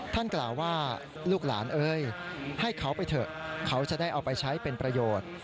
กล่าวว่าลูกหลานเอ้ยให้เขาไปเถอะเขาจะได้เอาไปใช้เป็นประโยชน์